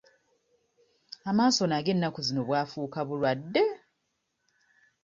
Amaaso nago ennaku zino bwafuuka bulwadde?